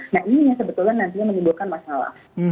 nah ini yang sebetulnya nantinya menimbulkan masalah